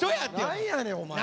何やねんお前！